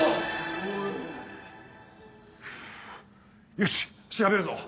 よし調べるぞ！